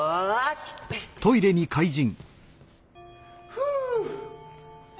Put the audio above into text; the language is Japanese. ふう。